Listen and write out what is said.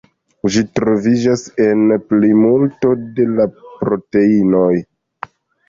Ĝi troviĝas en plimulto de la proteinoj.